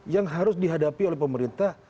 yang harus dihadapi oleh pemerintah